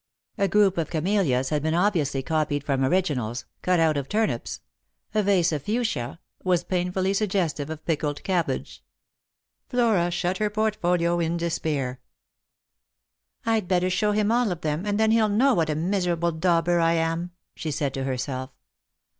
A group of camellias had been obviously copied from originals — cut out of turnips ; a vase of fuchsia was painfully suggestive of pickled cabbage. Flora shut her portfolio in despair. " I'd better show him all of them, and then he'll know what a miserable dauber I am," she said to herself.